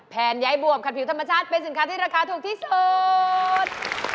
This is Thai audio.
ยายบวมขัดผิวธรรมชาติเป็นสินค้าที่ราคาถูกที่สุด